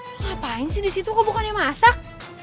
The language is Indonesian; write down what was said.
lo ngapain sih disitu lo bukan yang masak